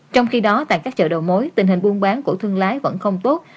trong khi đó tại các chợ đầu mối tình hình buôn bán của thương lái vẫn không tốt